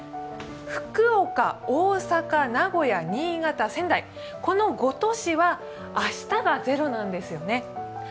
福岡、大阪、名古屋、新潟、仙台、この５都市は明日がゼロなんですよね。